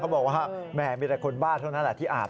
บอกว่าแหมมีแต่คนบ้าเท่านั้นแหละที่อาบ